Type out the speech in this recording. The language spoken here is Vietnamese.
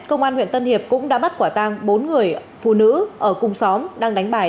công an huyện tân hiệp cũng đã bắt quả tang bốn người phụ nữ ở cùng xóm đang đánh bài